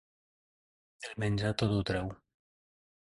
El menjar tot ho treu.